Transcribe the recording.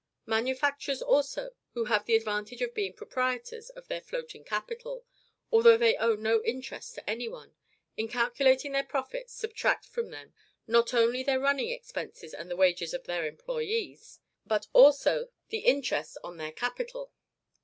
Manufacturers, also, who have the advantage of being proprietors of their floating capital, although they owe no interest to any one, in calculating their profits subtract from them, not only their running expenses and the wages of their employees, but also the interest on their capital.